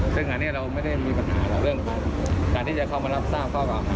ซึ่งเราไม่ได้มีปัญหาเรื่องการที่จะเข้ามารับทราบ